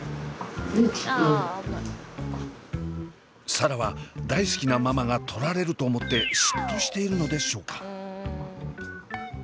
紗蘭は大好きなママが取られると思って嫉妬しているのでしょうか？